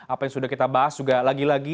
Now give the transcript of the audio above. apa yang sudah kita bahas juga lagi lagi